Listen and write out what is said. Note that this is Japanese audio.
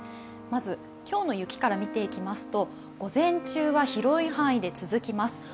まず今日の雪から見ていきますと、午前中は広い範囲で続きます。